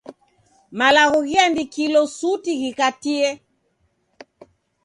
Malagho ghiandikilo suti ghikatie